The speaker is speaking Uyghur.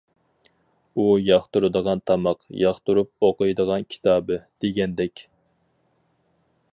ئۇ ياقتۇرىدىغان تاماق، ياقتۇرۇپ ئوقۇيدىغان كىتابى. دېگەندەك.